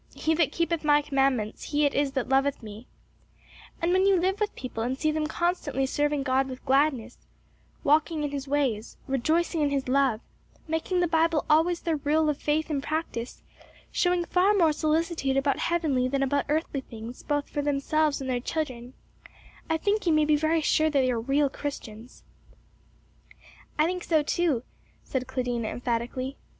'He that keepeth my commandments he it is that loveth me;' and when you live with people and see them constantly serving God with gladness, walking in his ways, rejoicing in his love, making the Bible always their rule of faith and practice, showing far more solicitude about heavenly than about earthly things, both for themselves and their children, I think you may be very sure they are real Christians." "I think so too!" said Claudina emphatically.